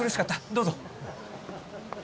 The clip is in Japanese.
どうぞ。